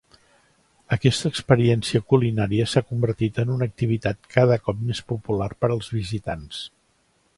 Aquesta experiència culinària s'ha convertit en una activitat cada cop més popular per als visitants.